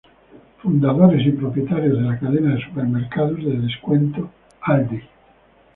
Fundadores y propietarios de la cadena de supermercados de descuento Aldi.